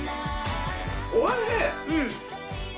おいしい。